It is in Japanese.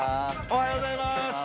おはようございます！